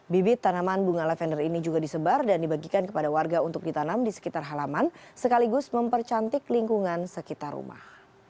bibit tanaman bunga lavender ini juga disebar dan dibagikan kepada warga untuk ditanam di sekitar halaman sekaligus mempercantik lingkungan sekitar rumah